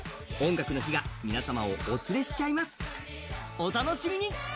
お楽しみに！